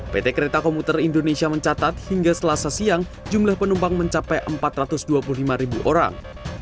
pt kereta komuter indonesia mencatat hingga selasa siang jumlah penumpang mencapai empat ratus dua puluh lima ribu orang